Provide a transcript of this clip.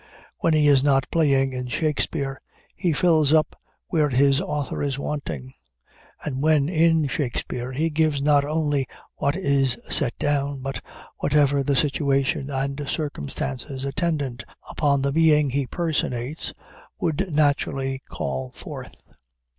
When he is not playing in Shakspeare, he fills up where his author is wanting; and when in Shakspeare, he gives not only what is set down, but whatever the situation and circumstances attendant upon the being he personates would naturally call forth.